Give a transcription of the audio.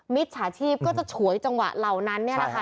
มิจฉาชีพก็จะฉวยจังหวะเหล่านั้น